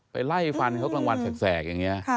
ไล่ฟันเขากลางวันแสกอย่างนี้